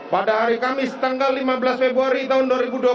pada hari kamis tanggal lima belas februari tahun dua ribu dua puluh